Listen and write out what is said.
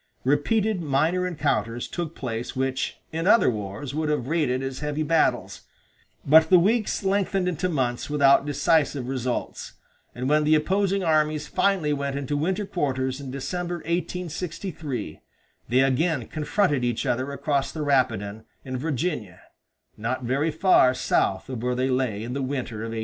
Repeated minor encounters took place which, in other wars, would have rated as heavy battles; but the weeks lengthened into months without decisive results, and when the opposing armies finally went into winter quarters in December, 1863, they again confronted each other across the Rapidan in Virginia, not very far south of where they lay in the winter of 1861.